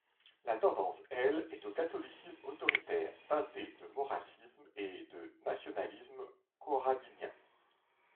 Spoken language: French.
La tendance, elle, est au catholicisme autoritaire, teinté de maurrassisme et de nationalisme corradinien.